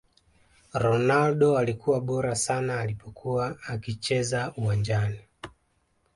Ronaldo alikuwa bora sana alipokuwa akicheza uwanjani